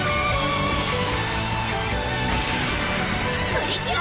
プリキュア！